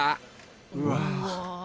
うわ。